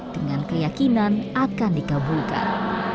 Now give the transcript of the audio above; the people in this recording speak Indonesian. dengan keyakinan akan dikabulkan